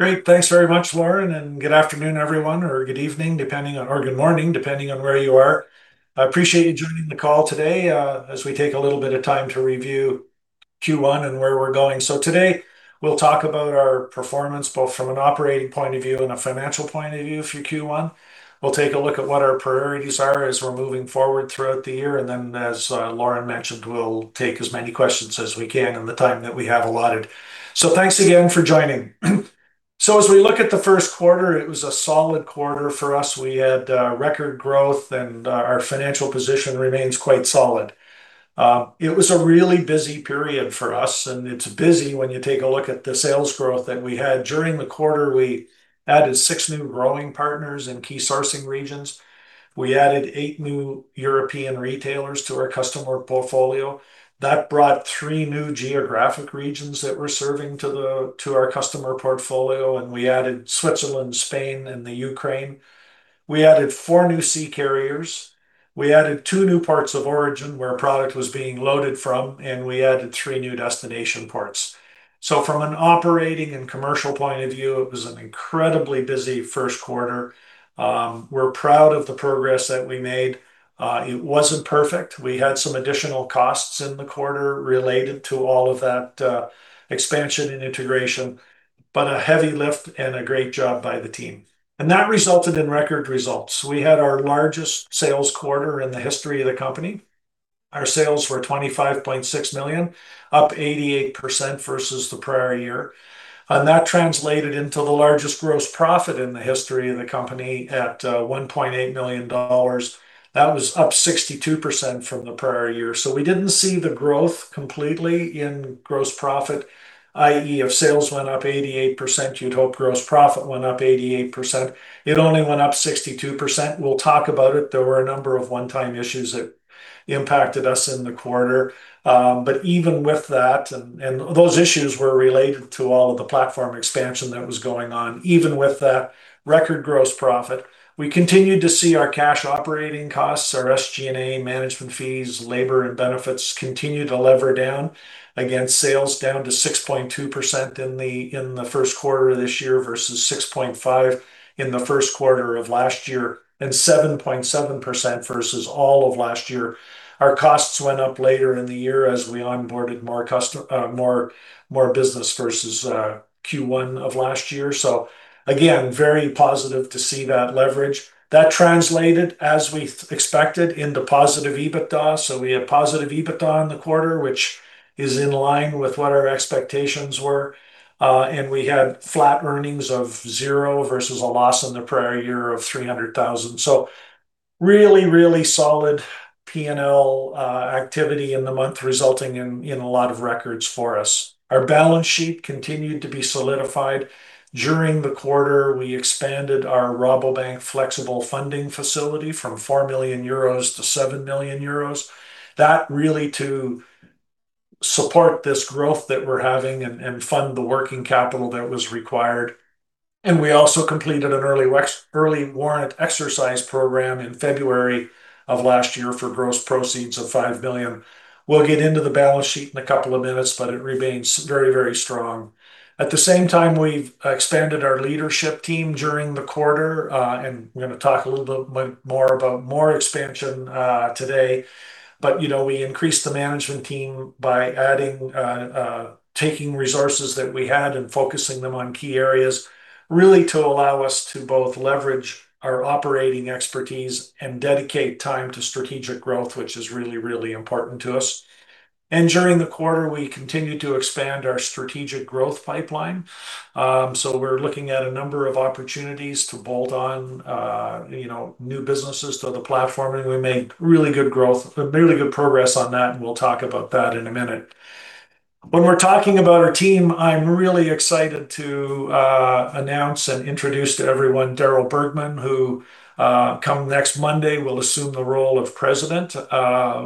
Great. Thanks very much, Lauren, and good afternoon everyone, or good evening, or good morning, depending on where you are. I appreciate you joining the call today as we take a little bit of time to review Q1 and where we're going. Today, we'll talk about our performance, both from an operating point of view and a financial point of view for Q1. We'll take a look at what our priorities are as we're moving forward throughout the year, and then as Lauren mentioned, we'll take as many questions as we can in the time that we have allotted. Thanks again for joining. As we look at the first quarter, it was a solid quarter for us. We had record growth and our financial position remains quite solid. It was a really busy period for us, and it's busy when you take a look at the sales growth that we had during the quarter. We added six new growing partners in key sourcing regions. We added eight new European retailers to our customer portfolio. That brought three new geographic regions that we're serving to our customer portfolio, and we added Switzerland, Spain, and the Ukraine. We added four new sea carriers. We added two new ports of origin where product was being loaded from, and we added three new destination ports. From an operating and commercial point of view, it was an incredibly busy first quarter. We're proud of the progress that we made. It wasn't perfect. We had some additional costs in the quarter related to all of that expansion and integration, but a heavy lift and a great job by the team. That resulted in record results. We had our largest sales quarter in the history of the company. Our sales were 25.6 million, up 88% versus the prior year. That translated into the largest gross profit in the history of the company at EUR 1.8 million. That was up 62% from the prior year. We didn't see the growth completely in gross profit, i.e., if sales went up 88%, you'd hope gross profit went up 88%. It only went up 62%. We'll talk about it. There were a number of one-time issues that impacted us in the quarter. Those issues were related to all of the platform expansion that was going on. Even with that record gross profit, we continued to see our cash operating costs, our SG&A management fees, labor, and benefits continue to lever down. Sales down to 6.2% in the first quarter of this year versus 6.5% in the first quarter of last year, and 7.7% versus all of last year. Our costs went up later in the year as we onboarded more business versus Q1 of last year. Very positive to see that leverage. That translated, as we expected, into positive EBITDA. We had positive EBITDA in the quarter, which is in line with what our expectations were. We had flat earnings of zero versus a loss in the prior year of 300,000. Really, really solid P&L activity in the month resulting in a lot of records for us. Our balance sheet continued to be solidified. During the quarter, we expanded our Rabobank flexible funding facility from 4 million-7 million euros. That really to support this growth that we're having and fund the working capital that was required. We also completed an early warrant exercise program in February of last year for gross proceeds of 5 million. We'll get into the balance sheet in a couple of minutes, but it remains very, very strong. At the same time, we've expanded our leadership team during the quarter. We're going to talk a little bit more about more expansion today. We increased the management team by taking resources that we had and focusing them on key areas, really to allow us to both leverage our operating expertise and dedicate time to strategic growth, which is really, really important to us. During the quarter, we continued to expand our strategic growth pipeline. We're looking at a number of opportunities to bolt on new businesses to the platform, and we made really good progress on that, and we'll talk about that in a minute. When we're talking about our team, I'm really excited to announce and introduce to everyone Darryl Bergman, who come next Monday, will assume the role of President,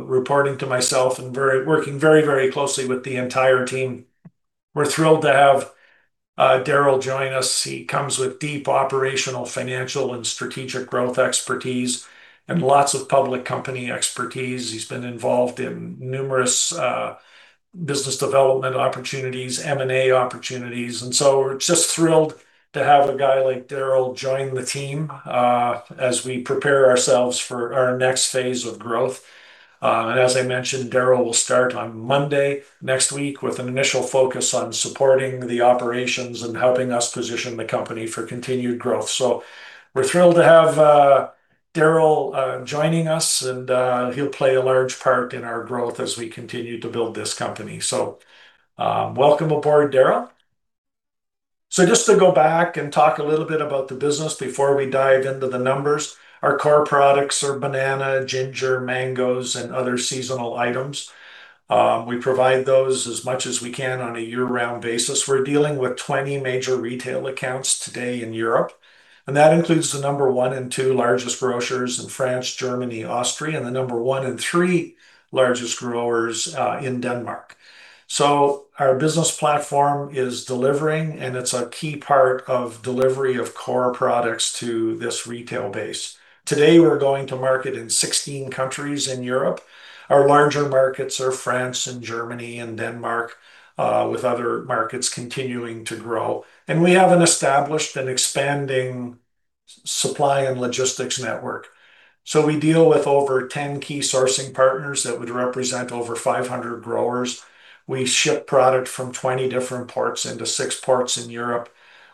reporting to myself and working very closely with the entire team. We're thrilled to have Darryl join us. He comes with deep operational, financial, and strategic growth expertise and lots of public company expertise. He's been involved in numerous business development opportunities, M&A opportunities, and so we're just thrilled to have a guy like Darryl join the team as we prepare ourselves for our next phase of growth. As I mentioned, Darryl will start on Monday next week with an initial focus on supporting the operations and helping us position the company for continued growth. We're thrilled to have Darryl joining us, and he'll play a large part in our growth as we continue to build this company. Welcome aboard, Darryl. Just to go back and talk a little bit about the business before we dive into the numbers, our core products are banana, ginger, mangoes, and other seasonal items. We provide those as much as we can on a year-round basis. We're dealing with 20 major retail accounts today in Europe, and that includes the number one and two largest grocers in France, Germany, Austria, and the number one and three largest grocers in Denmark. Our business platform is delivering, and it's a key part of delivery of core products to this retail base. Today, we're going to market in 16 countries in Europe. Our larger markets are France and Germany and Denmark, with other markets continuing to grow. We have an established and expanding Supply and logistics network. We deal with over 10 key sourcing partners that would represent over 500 grocers. We ship product from 20 different ports into six ports in Europe.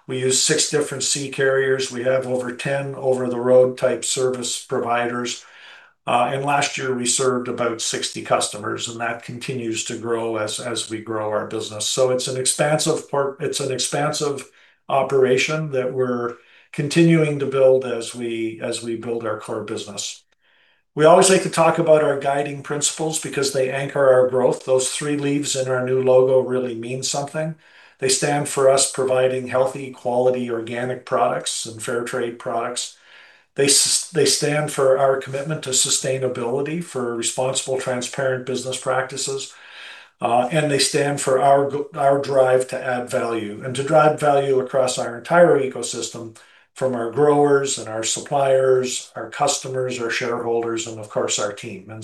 We use six different sea carriers. We have over 10 over-the-road type service providers. Last year, we served about 60 customers, and that continues to grow as we grow our business. It's an expansive operation that we're continuing to build as we build our core business. We always like to talk about our guiding principles because they anchor our growth. Those three leaves in our new logo really mean something. They stand for us providing healthy, quality organic products and fair trade products. They stand for our commitment to sustainability, for responsible, transparent business practices. They stand for our drive to add value, and to drive value across our entire ecosystem, from our grocers and our suppliers, our customers, our shareholders, and of course, our team.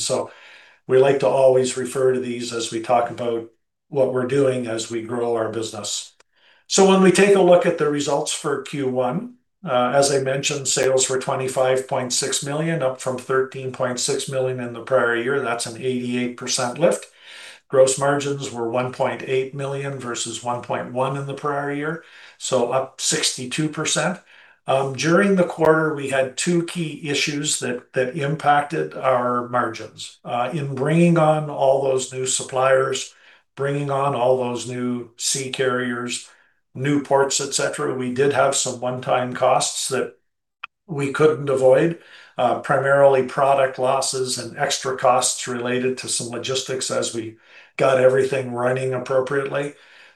We like to always refer to these as we talk about what we're doing as we grow our business. When we take a look at the results for Q1, as I mentioned, sales were 25.6 million, up from 13.6 million in the prior year. That's an 88% lift. Gross margins were 1.8 million versus 1.1 million in the prior year, up 62%. During the quarter, we had two key issues that impacted our margins. In bringing on all those new suppliers, bringing on all those new sea carriers, new ports, et cetera, we did have some one-time costs that we couldn't avoid. Primarily product losses and extra costs related to some logistics as we got everything running appropriately.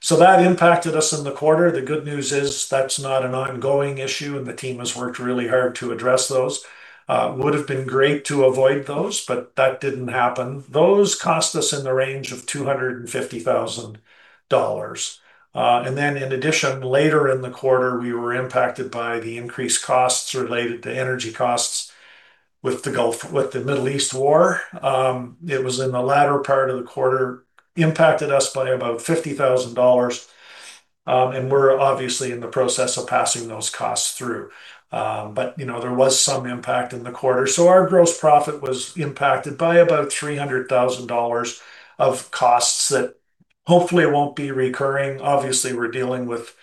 That impacted us in the quarter. The good news is that's not an ongoing issue, and the team has worked really hard to address those. Would've been great to avoid those, but that didn't happen. Those cost us in the range of EUR 250,000. Then in addition, later in the quarter, we were impacted by the increased costs related to energy costs with the Middle East war. It was in the latter part of the quarter, impacted us by about EUR 50,000. We're obviously in the process of passing those costs through. There was some impact in the quarter. Our gross profit was impacted by about EUR 300,000 of costs that hopefully won't be recurring. Obviously, we're dealing with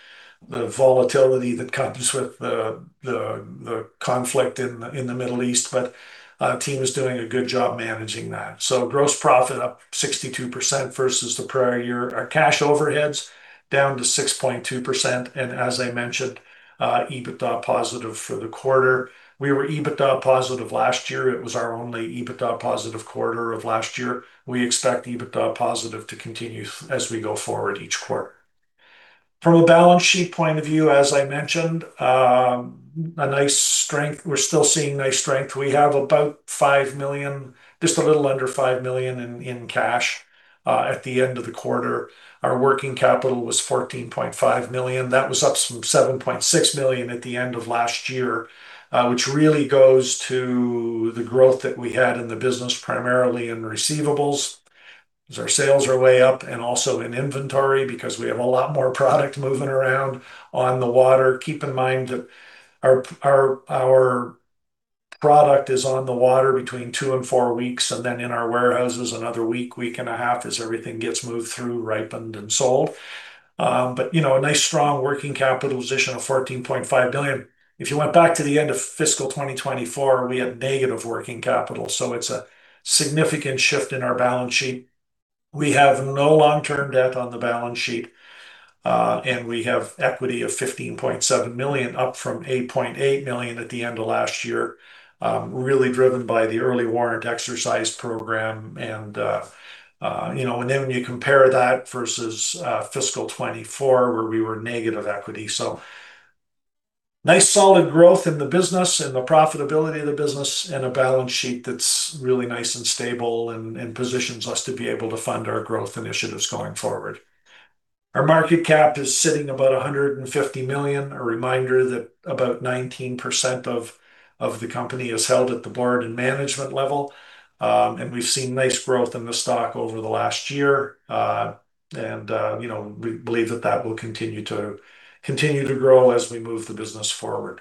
the volatility that comes with the conflict in the Middle East, but our team is doing a good job managing that. Gross profit up 62% versus the prior year. Our cash overheads down to 6.2%. As I mentioned, EBITDA positive for the quarter. We were EBITDA positive last year. It was our only EBITDA positive quarter of last year. We expect EBITDA positive to continue as we go forward each quarter. From a balance sheet point of view, as I mentioned, a nice strength. We're still seeing nice strength. We have about 5 million, just a little under 5 million in cash at the end of the quarter. Our working capital was 14.5 million. That was up from 7.6 million at the end of last year. Which really goes to the growth that we had in the business, primarily in receivables, as our sales are way up, and also in inventory because we have a lot more product moving around on the water. Keep in mind that our product is on the water between two and four weeks, and then in our warehouses another week and a half as everything gets moved through, ripened, and sold. A nice strong working capital position of 14.5 million. If you went back to the end of fiscal 2024, we had negative working capital, so it's a significant shift in our balance sheet. We have no long-term debt on the balance sheet. We have equity of 15.7 million, up from 8.8 million at the end of last year. Really driven by the early warrant exercise program when you compare that versus fiscal 2024, where we were negative equity. Nice solid growth in the business and the profitability of the business and a balance sheet that's really nice and stable and positions us to be able to fund our growth initiatives going forward. Our market cap is sitting about 150 million. A reminder that about 19% of the company is held at the board and management level. We've seen nice growth in the stock over the last year. We believe that that will continue to grow as we move the business forward.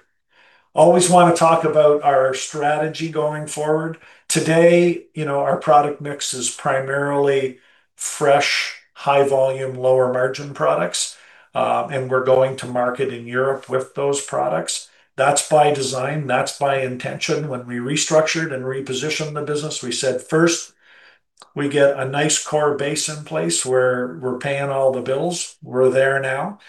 We always want to talk about our strategy going forward. Today, our product mix is primarily fresh, high volume, lower margin products. We're going to market in Europe with those products. That's by design, that's by intention. When we restructured and repositioned the business, we said, first, we get a nice core base in place where we're paying all the bills. We're there now.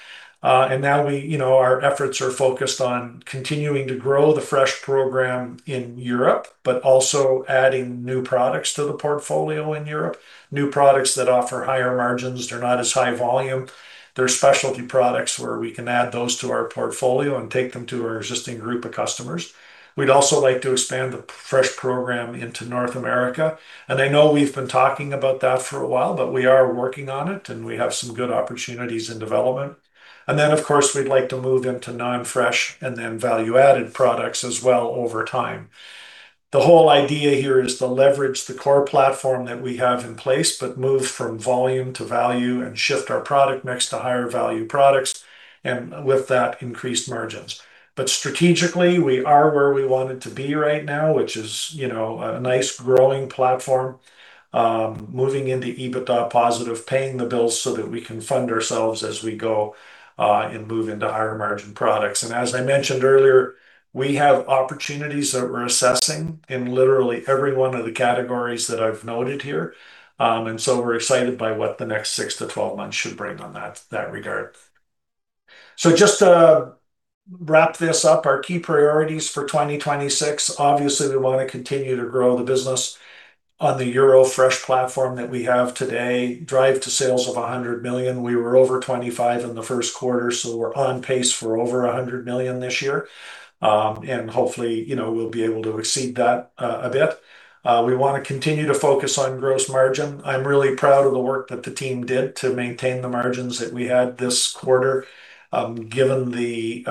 Now our efforts are focused on continuing to grow the fresh program in Europe, but also adding new products to the portfolio in Europe. New products that offer higher margins. They're not as high volume. They're specialty products where we can add those to our portfolio and take them to our existing group of customers. We'd also like to expand the fresh program into North America. I know we've been talking about that for a while, but we are working on it, and we have some good opportunities in development. Then, of course, we'd like to move into non-fresh and then value-added products as well over time. The whole idea here is to leverage the core platform that we have in place, but move from volume to value and shift our product mix to higher value products, and with that, increased margins. Strategically, we are where we wanted to be right now, which is a nice growing platform. Moving into EBITDA positive, paying the bills so that we can fund ourselves as we go, and move into higher margin products. As I mentioned earlier, we have opportunities that we're assessing in literally every one of the categories that I've noted here. So we're excited by what the next six to 12 months should bring on that regard. Just to wrap this up, our key priorities for 2026, obviously, we want to continue to grow the business on the Euro Fresh platform that we have today, drive to sales of 100 million. We were over 25 million in the first quarter, so we're on pace for over 100 million this year. Hopefully, we'll be able to exceed that a bit. We want to continue to focus on gross margin. I'm really proud of the work that the team did to maintain the margins that we had this quarter, given the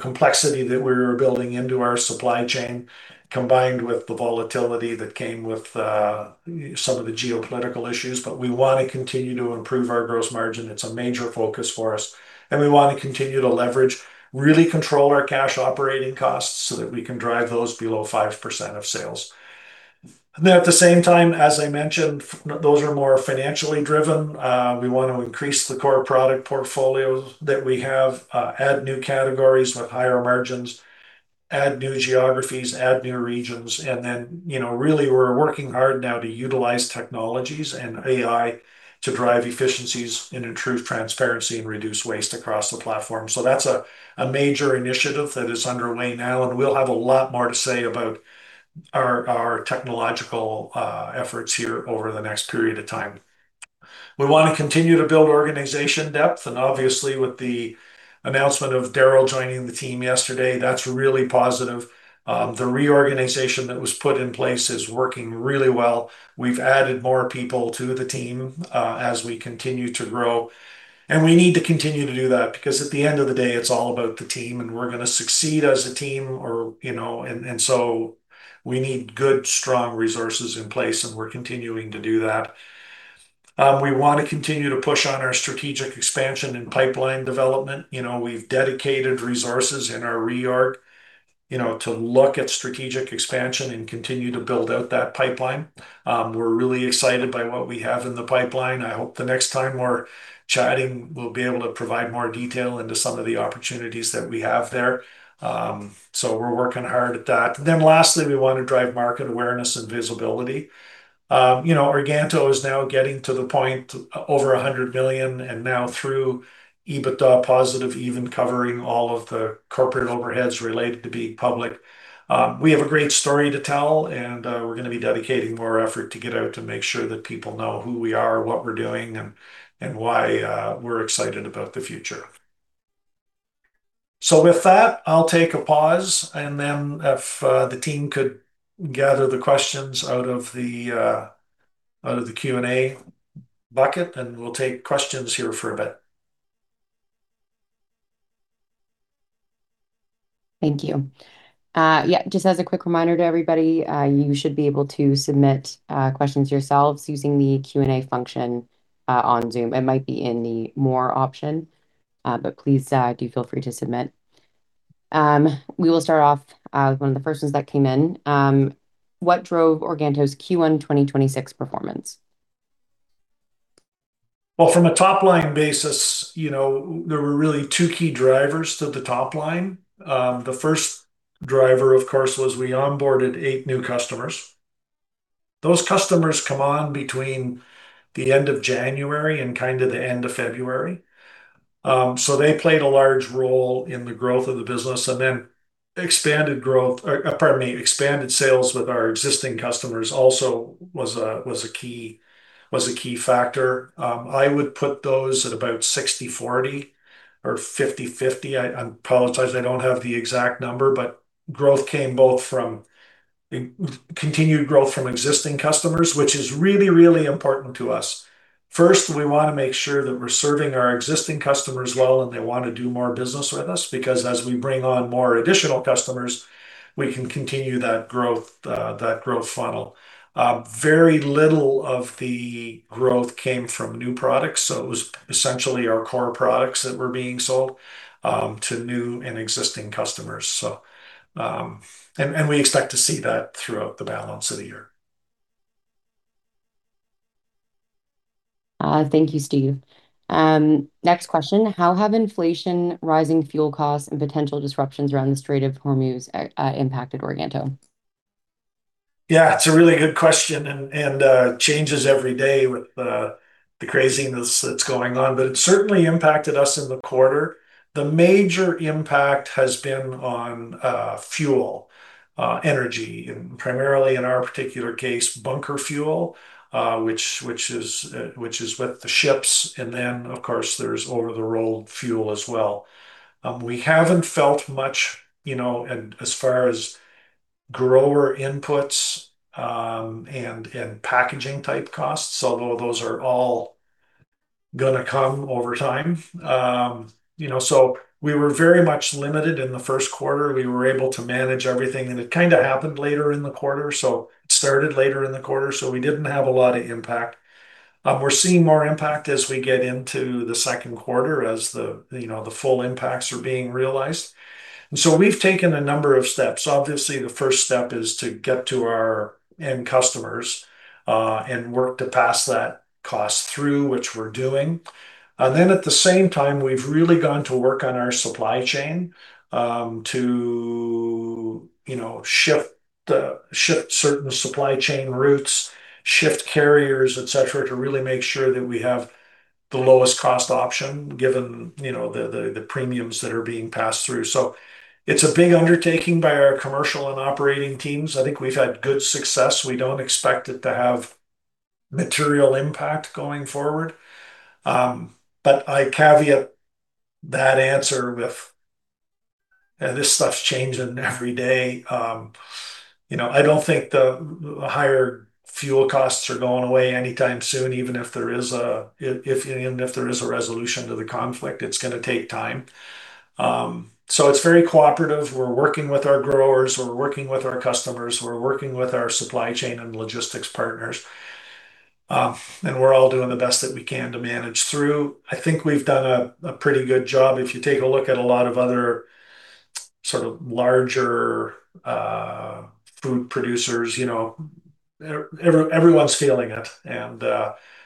complexity that we were building into our supply chain, combined with the volatility that came with some of the geopolitical issues. We want to continue to improve our gross margin. It's a major focus for us, and we want to continue to leverage, really control our cash operating costs so that we can drive those below 5% of sales. Then at the same time, as I mentioned, those are more financially driven. We want to increase the core product portfolios that we have, add new categories with higher margins, add new geographies, add new regions, and then really we're working hard now to utilize technologies and AI to drive efficiencies and improve transparency and reduce waste across the platform. That's a major initiative that is underway now, and we'll have a lot more to say about our technological efforts here over the next period of time. We want to continue to build organization depth, and obviously, with the announcement of Darryl joining the team yesterday, that's really positive. The reorganization that was put in place is working really well. We've added more people to the team, as we continue to grow. We need to continue to do that because at the end of the day, it's all about the team, and we're going to succeed as a team. We need good, strong resources in place, and we're continuing to do that. We want to continue to push on our strategic expansion and pipeline development. We've dedicated resources in our reorg to look at strategic expansion and continue to build out that pipeline. We're really excited by what we have in the pipeline. I hope the next time we're chatting, we'll be able to provide more detail into some of the opportunities that we have there. We're working hard at that. Lastly, we want to drive market awareness and visibility. Organto is now getting to the point over 100 million. Now through EBITDA positive, even covering all of the corporate overheads related to being public. We have a great story to tell, we're going to be dedicating more effort to get out to make sure that people know who we are, what we're doing, and why we're excited about the future. With that, I'll take a pause. If the team could gather the questions out of the Q&A bucket, we'll take questions here for a bit. Thank you. Yeah, just as a quick reminder to everybody, you should be able to submit questions yourselves using the Q&A function on Zoom. It might be in the More option. Please, do feel free to submit. We will start off with one of the first ones that came in. What drove Organto's Q1 2026 performance? From a top-line basis, there were really two key drivers to the top line. The first driver, of course, was we onboarded eight new customers. Those customers come on between the end of January and kind of the end of February. They played a large role in the growth of the business. Expanded sales with our existing customers also was a key factor. I would put those at about 60/40 or 50/50. I apologize, I don't have the exact number, growth came both from continued growth from existing customers, which is really, really important to us. First, we want to make sure that we're serving our existing customers well and they want to do more business with us because as we bring on more additional customers, we can continue that growth funnel. Very little of the growth came from new products, so it was essentially our core products that were being sold to new and existing customers. We expect to see that throughout the balance of the year. Thank you, Steve. Next question. How have inflation, rising fuel costs, and potential disruptions around the Strait of Hormuz impacted Organto? Yeah, it's a really good question, and changes every day with the craziness that's going on. It certainly impacted us in the quarter. The major impact has been on fuel, energy, and primarily in our particular case, bunker fuel, which is with the ships, and then, of course, there's over-the-road fuel as well. We haven't felt much as far as grower inputs and packaging-type costs, although those are all going to come over time. We were very much limited in the first quarter. We were able to manage everything, and it kind of happened later in the quarter, so it started later in the quarter, so we didn't have a lot of impact. We're seeing more impact as we get into the second quarter as the full impacts are being realized. We've taken a number of steps. Obviously, the first step is to get to our end customers, and work to pass that cost through, which we're doing. At the same time, we've really gone to work on our supply chain, to shift certain supply chain routes, shift carriers, et cetera, to really make sure that we have the lowest cost option, given the premiums that are being passed through. It's a big undertaking by our commercial and operating teams. I think we've had good success. We don't expect it to have material impact going forward. I caveat that answer with, this stuff's changing every day. I don't think the higher fuel costs are going away anytime soon, even if there is a resolution to the conflict, it's going to take time. It's very cooperative. We're working with our growers, we're working with our customers, we're working with our supply chain and logistics partners. We're all doing the best that we can to manage through. I think we've done a pretty good job. If you take a look at a lot of other sort of larger food producers, everyone's feeling it, and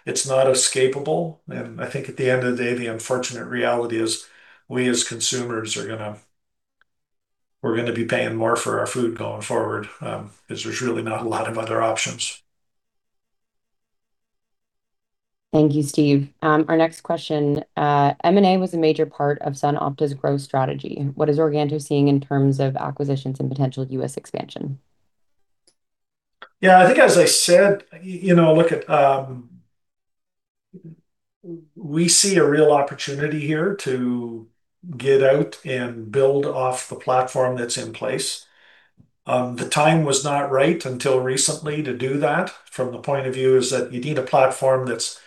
it's not escapable. I think at the end of the day, the unfortunate reality is we as consumers are going to be paying more for our food going forward, because there's really not a lot of other options. Thank you, Steve. Our next question. M&A was a major part of SunOpta's growth strategy. What is Organto seeing in terms of acquisitions and potential U.S. expansion? I think as I said, look at We see a real opportunity here to get out and build off the platform that's in place. The time was not right until recently to do that, from the point of view is that you need a platform that's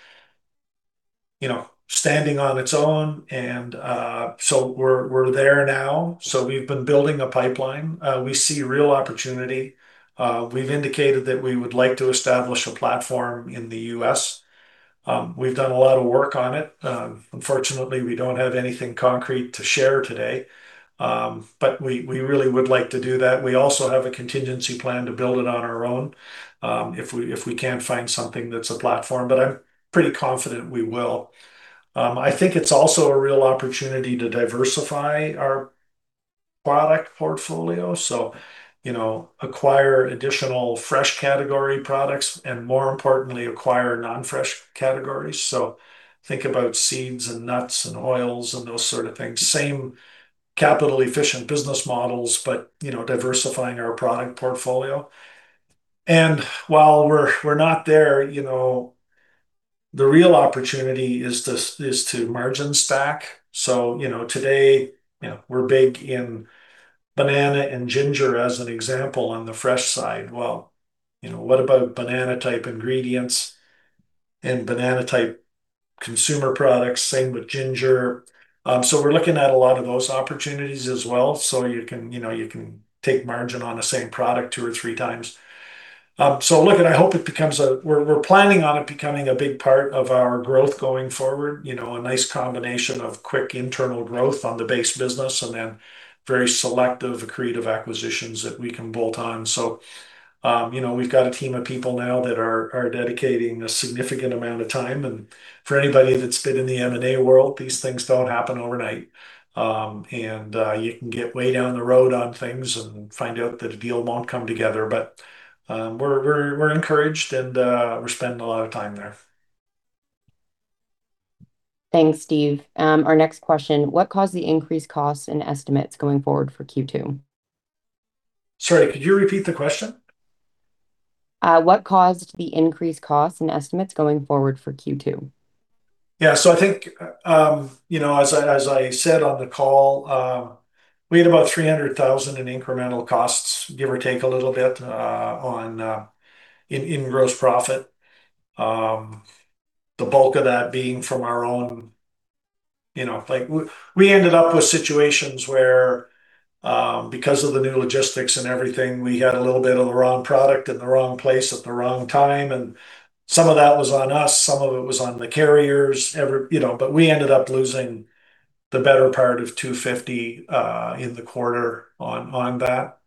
standing on its own, and we're there now. We've been building a pipeline. We see real opportunity. We've indicated that we would like to establish a platform in the U.S. We've done a lot of work on it. Unfortunately, we don't have anything concrete to share today. We really would like to do that. We also have a contingency plan to build it on our own, if we can't find something that's a platform, but I'm pretty confident we will. I think it's also a real opportunity to diversify our product portfolio. Acquire additional fresh category products, and more importantly, acquire non-fresh categories. Think about seeds and nuts and oils and those sort of things. Same capital-efficient business models, but diversifying our product portfolio. While we're not there, the real opportunity is to margin stack. Today, we're big in banana and ginger as an example on the fresh side. Well, what about banana-type ingredients and banana-type consumer products? Same with ginger. We're looking at a lot of those opportunities as well. You can take margin on the same product two or three times. We're planning on it becoming a big part of our growth going forward. A nice combination of quick internal growth on the base business and then very selective, accretive acquisitions that we can bolt on. We've got a team of people now that are dedicating a significant amount of time. For anybody that's been in the M&A world, these things don't happen overnight. You can get way down the road on things and find out that a deal won't come together. We're encouraged, and we're spending a lot of time there. Thanks, Steve. Our next question. What caused the increased costs and estimates going forward for Q2? Sorry, could you repeat the question? What caused the increased costs and estimates going forward for Q2? Yeah. I think, as I said on the call, we had about 300,000 in incremental costs, give or take a little bit, in gross profit. We ended up with situations where, because of the new logistics and everything, we had a little bit of the wrong product in the wrong place at the wrong time, and some of that was on us, some of it was on the carriers. We ended up losing the better part of 250 in the quarter on that.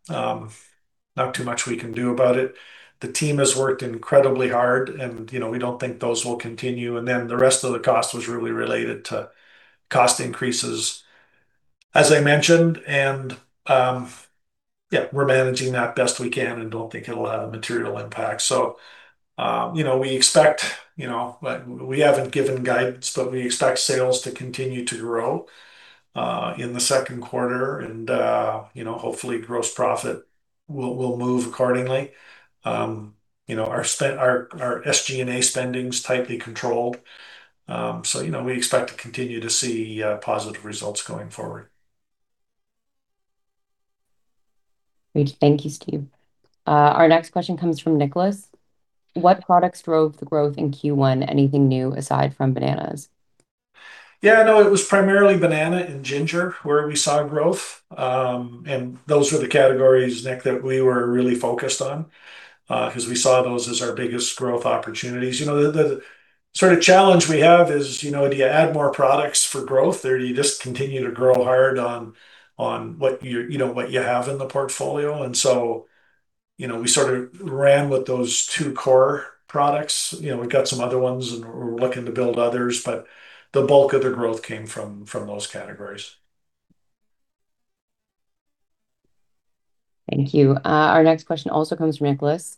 Not too much we can do about it. The team has worked incredibly hard, and we don't think those will continue. Then the rest of the cost was really related to cost increases, as I mentioned. Yeah, we're managing that best we can and don't think it'll have a material impact. We haven't given guidance, but we expect sales to continue to grow, in the second quarter and, hopefully gross profit will move accordingly. Our SG&A spending's tightly controlled. We expect to continue to see positive results going forward. Great. Thank you, Steve. Our next question comes from Nicholas: What products drove the growth in Q1? Anything new aside from bananas? Yeah, no, it was primarily banana and ginger where we saw growth. Those were the categories, Nick, that we were really focused on, because we saw those as our biggest growth opportunities. The sort of challenge we have is, do you add more products for growth, or do you just continue to grow hard on what you have in the portfolio? We sort of ran with those two core products. We've got some other ones, and we're looking to build others, but the bulk of the growth came from those categories. Thank you. Our next question also comes from Nicholas: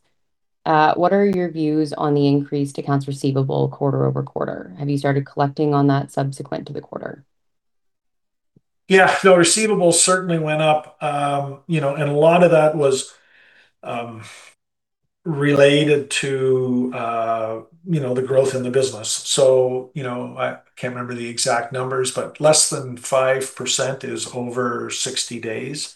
What are your views on the increased accounts receivable quarter-over-quarter? Have you started collecting on that subsequent to the quarter? No, receivables certainly went up, and a lot of that was related to the growth in the business. I can't remember the exact numbers, but less than 5% is over 60 days.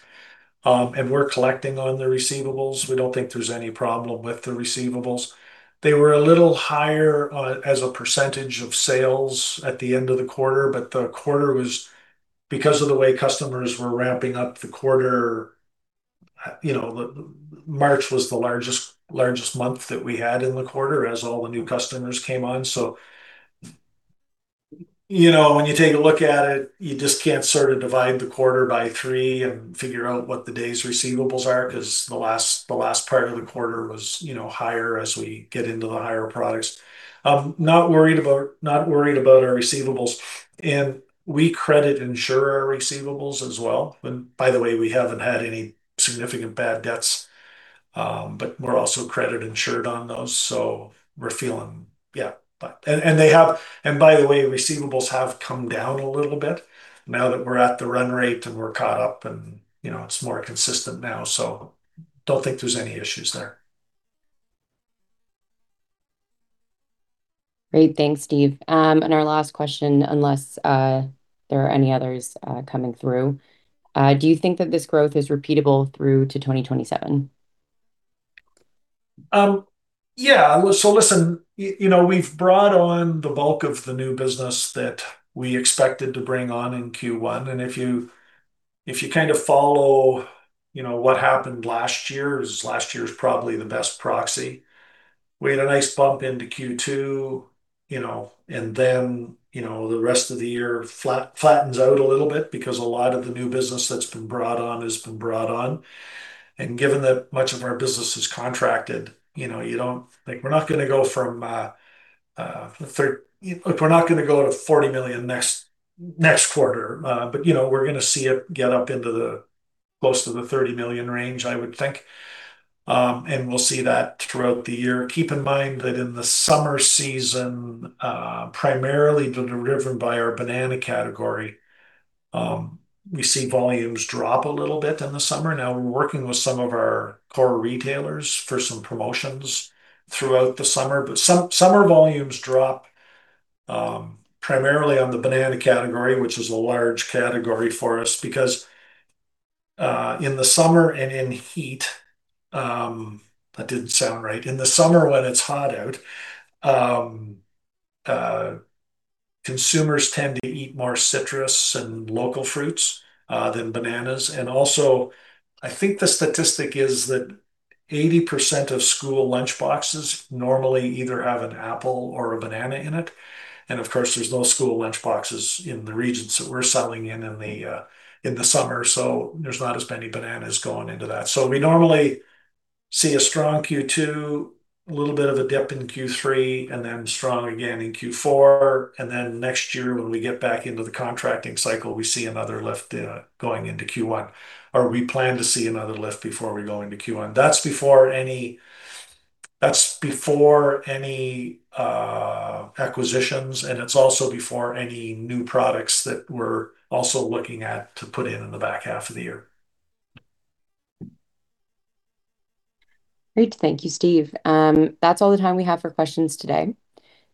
We're collecting on the receivables. We don't think there's any problem with the receivables. They were a little higher as a percentage of sales at the end of the quarter, but the quarter was, because of the way customers were ramping up the quarter, March was the largest month that we had in the quarter as all the new customers came on. When you take a look at it, you just can't sort of divide the quarter by three and figure out what the day's receivables are, because the last part of the quarter was higher as we get into the higher products. I'm not worried about our receivables, and we credit insure our receivables as well. By the way, we haven't had any significant bad debts, but we're also credit insured on those, so we're feeling. Yeah. By the way, receivables have come down a little bit now that we're at the run rate and we're caught up and it's more consistent now. Don't think there's any issues there. Great. Thanks, Steve. Our last question, unless there are any others coming through: Do you think that this growth is repeatable through to 2027? Yeah. Listen, we've brought on the bulk of the new business that we expected to bring on in Q1. If you kind of follow what happened last year, last year is probably the best proxy. We had a nice bump into Q2, then the rest of the year flattens out a little bit because a lot of the new business that's been brought on has been brought on. Given that much of our business is contracted, we're not going to go to 40 million next quarter. We're going to see it get up into the close to the 30 million range, I would think. We'll see that throughout the year. Keep in mind that in the summer season, primarily driven by our banana category, we see volumes drop a little bit in the summer. We're working with some of our core retailers for some promotions throughout the summer. Summer volumes drop, primarily on the banana category, which is a large category for us, because in the summer when it's hot out, consumers tend to eat more citrus and local fruits than bananas. I think the statistic is that 80% of school lunchboxes normally either have an apple or a banana in it. Of course, there's no school lunchboxes in the regions that we're selling in the summer. There's not as many bananas going into that. We normally see a strong Q2, little bit of a dip in Q3, and then strong again in Q4. Next year, when we get back into the contracting cycle, we see another lift going into Q1, or we plan to see another lift before we go into Q1. That's before any acquisitions, and it's also before any new products that we're also looking at to put in the back half of the year. Great. Thank you, Steve. That's all the time we have for questions today.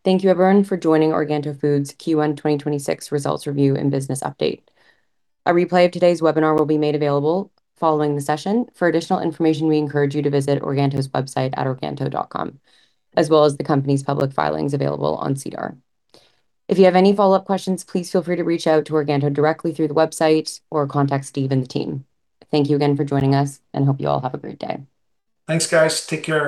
Thank you, everyone, for joining Organto Foods' Q1 2026 Results Review and Business Update. A replay of today's webinar will be made available following the session. For additional information, we encourage you to visit Organto's website at organto.com, as well as the company's public filings available on SEDAR. If you have any follow-up questions, please feel free to reach out to Organto directly through the website or contact Steve and the team. Thank you again for joining us, and hope you all have a great day. Thanks, guys. Take care.